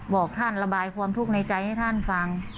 บอกท่านระบายความทุกข์ในใจให้ท่านฟัง